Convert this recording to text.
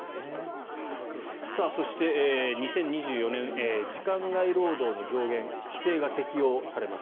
そして、２０２４年時間外労働の上限規制が適用されます。